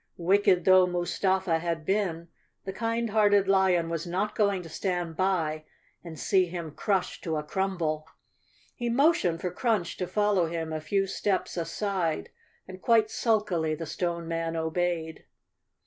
Wicked though Mustafa had been, the kind hearted lion was not going to stand by and see him crushed to a crumble. He motioned for Crunch to fol¬ low him a few steps aside and quite sulkily the Stone Man obeyed.